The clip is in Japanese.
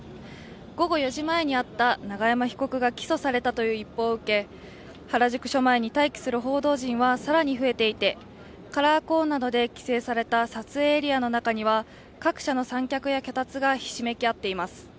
午後４時前にあった永山被告が起訴されたという一報を受け原宿署前に待機する報道陣は更に増えていてカラーコーンなどで規制された撮影エリアの中には各社の三脚や脚立がひしめき合っています。